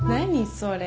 それ。